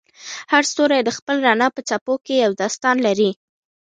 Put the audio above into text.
هر ستوری د خپل رڼا په څپو کې یو داستان لري.